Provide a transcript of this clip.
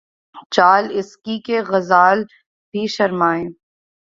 چال اس کی کہ، غزال بھی شرمائیں